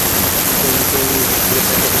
সে এক কেলেঙ্কারি ব্যাপার।